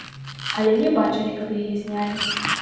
Але не бачылі, каб яе знялі.